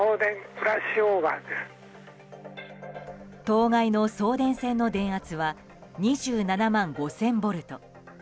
当該の送電線の電圧は２７万５０００ボルト。